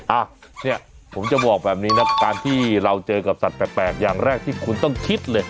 อ่ะเนี่ยผมจะบอกแบบนี้นะการที่เราเจอกับสัตว์แปลกอย่างแรกที่คุณต้องคิดเลย